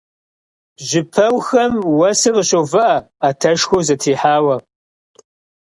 Жьыпэухэм уэсыр къыщоувыӀэ, Ӏэтэшхуэу зэтрихьауэ.